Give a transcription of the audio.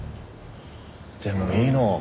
でもいいの？